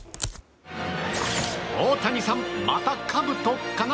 大谷さん、またかぶとかな。